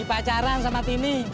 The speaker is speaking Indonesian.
lagi pacaran sama timi